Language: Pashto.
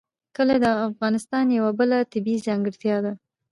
کلي د افغانستان یوه بله طبیعي ځانګړتیا ده.